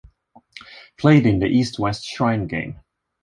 Played in the East-West Shrine Game.